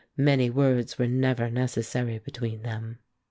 Many words were never necessary between them.